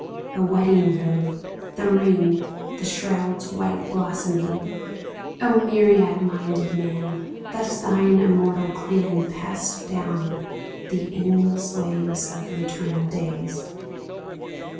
The wedding robe, the ring. The shroud's white blossoming, O myriad minded man. Thus thine immortal clan Passed down the endless ways Of the eternal days